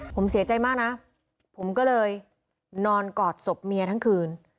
ผมเสียใจมากนะผมก็เลยนอนกอดศพเมียทั้งคืน